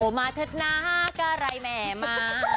โอ้มาเถิดนะกะไรแหม่มะ